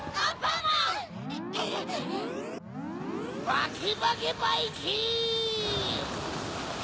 バケバケバイキン！